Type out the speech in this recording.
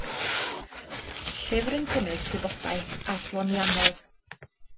Llyfr yn cynnwys gwybodaeth adloniannol.